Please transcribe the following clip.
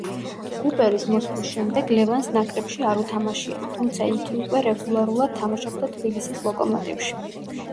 კუპერის მოსვლის შემდეგ ლევანს ნაკრებში არ უთამაშია, თუმცა იგი უკვე რეგულარულად თამაშობდა თბილისის „ლოკომოტივში“.